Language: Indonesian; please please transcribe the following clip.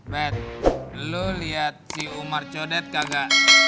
bet lu liat si umar codet kagak